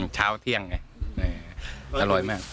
เช้าเที่ยงไงอร่อยมาก